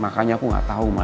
makanya aku gak tau ma